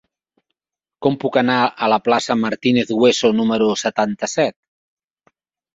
Com puc anar a la plaça de Martínez Hueso número setanta-set?